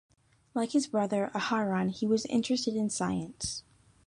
Like his brother, Aharon, he was interested in science.